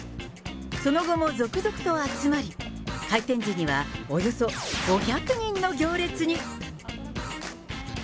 その後も続々と集まり、開店時にはおよそ５００人の行列に。